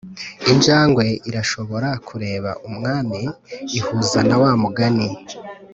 injangwe irashobora kureba umwami ihuza na wa mugani